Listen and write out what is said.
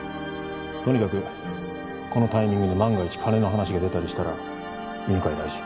とにかくこのタイミングで万が一金の話が出たりしたら犬飼大臣おしまいだぞ。